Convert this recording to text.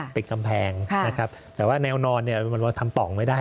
เปลี่ยนกำแพงค่ะนะครับแต่ว่าแนวนอนเนี้ยมันว่าทำปล่องไม่ได้